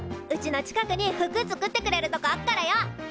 うちの近くに服作ってくれるとこあっからよ。